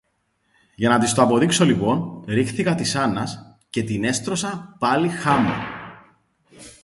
Για να της το αποδείξω λοιπόν, ρίχθηκα της Άννας και την έστρωσα πάλι χάμω